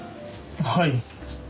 はい。